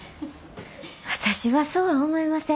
私はそうは思いません。